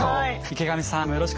池上さん